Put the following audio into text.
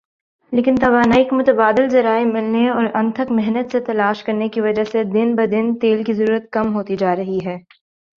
لیکن توانائی کے متبادل ذرائع ملنے اور انتھک محنت سے تلاش کرنے کی وجہ سے دن بدن تیل کی ضرورت کم ہوتی جارہی ھے